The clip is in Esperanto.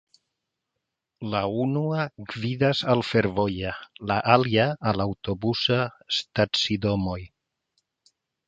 La unua gvidas al fervoja, la alia al aŭtobusa stacidomoj.